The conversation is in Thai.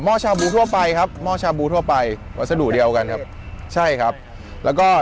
ชาบูทั่วไปครับหม้อชาบูทั่วไปวัสดุเดียวกันครับใช่ครับแล้วก็